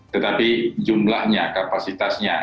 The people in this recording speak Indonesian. tetapi jumlahnya kapasitasnya